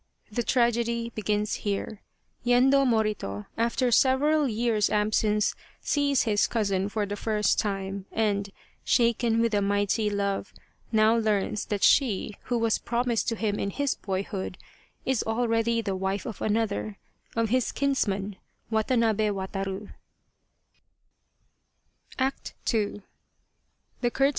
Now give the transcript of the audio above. The tragedy begins here. Yendo Morito, after several years' absence, sees his cousin for the first time and, shaken with a mighty love, now learns that she, who was promised to him in his boyhood, is 66 The Tragedy of Kesa Gozen already the wife of another of his kinsman, Watanabe Wataru.